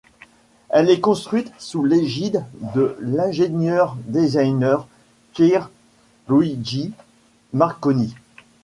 Elle est construite sous l'égide de l'ingénieur designer Pier Luigi Marconi.